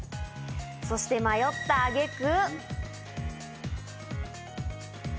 そして迷った挙げ句。